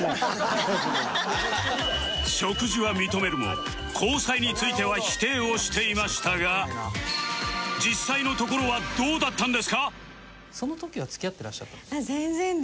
食事は認めるも交際については否定をしていましたが実際のところはどうだったんですか？